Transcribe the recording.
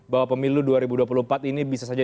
bahwa pemilu dua ribu dua puluh empat ini bisa saja